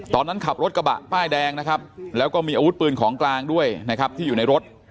ขับรถกระบะป้ายแดงนะครับแล้วก็มีอาวุธปืนของกลางด้วยนะครับที่อยู่ในรถ